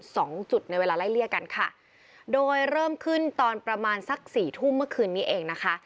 สองจุดในเวลาไล่เลี่ยกันค่ะโดยเริ่มขึ้นตอนประมาณสักสี่ทุ่มเมื่อคืนนี้เองนะคะ